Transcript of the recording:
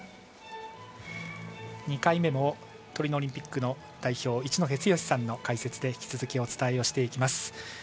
２回目もトリノオリンピックの代表一戸剛さんの解説で引き続きお伝えしていきます。